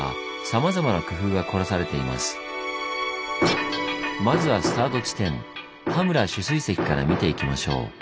まずはスタート地点羽村取水堰から見ていきましょう。